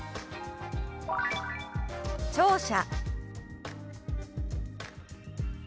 「聴者」。